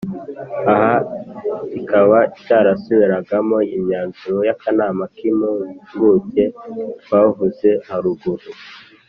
aha kikaba cyarasubiragamo imyanzuro y'akanama k'impuguke twavuze haruguru.